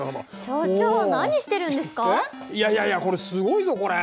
いやいやいやこれすごいぞこれ。